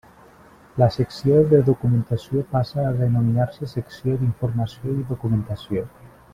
La Secció de Documentació passa a denominar-se Secció d'Informació i Documentació.